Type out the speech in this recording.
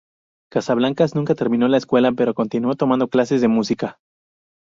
Casablancas nunca terminó la escuela, pero continuó tomando clases de música.